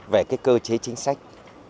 về cái cơ chế chính sách